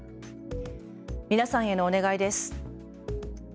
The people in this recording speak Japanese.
皆さんへのお願いです。